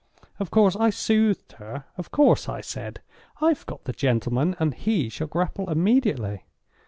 Of course I soothed her. Of course I said: 'I've got the gentleman, and he shall grapple immediately.